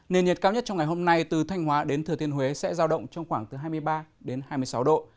nền nhiệt cao nhất trong ngày hôm nay từ thanh hóa đến thừa thiên huế sẽ giao động trong khoảng từ hai mươi ba đến hai mươi sáu độ